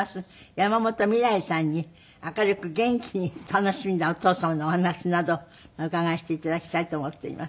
山本未來さんに明るく元気に楽しんだお父様のお話などお伺いしていただきたいと思っています。